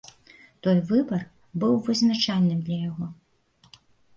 Той выбар быў вызначальным для яго.